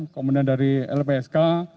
komunen dari lpsk